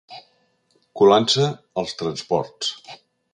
Colant-se als transports.